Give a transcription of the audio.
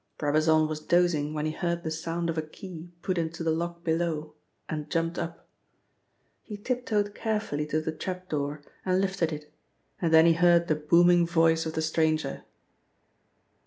Brabazon was dozing when he heard the sound of a key put into the lock below and jumped up. He tiptoed carefully to the trap door and lifted it and then he heard the booming voice of the stranger.